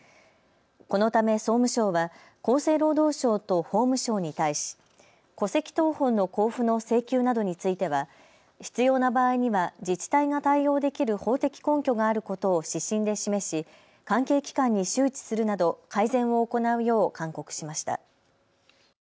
このため総務省は厚生労働省と法務省に対し戸籍謄本の交付の請求などについては必要な場合には自治体が対応できる法的根拠があることを指針で示し関係機関に周知するなど改善を行うよう勧告しました。